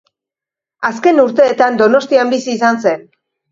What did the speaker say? Azken urteetan Donostian bizi izan zen.